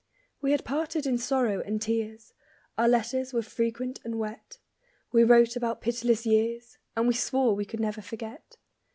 We had parted in sorrow and tears; Our letters were frequent and wet; We wrote about pitiless years, And we swore we could never forget.